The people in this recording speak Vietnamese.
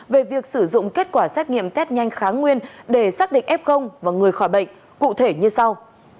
về việc sử dụng kết quả xét nghiệm test nhanh kháng nguyên để xác định f và người khỏi bệnh cụ thể như sau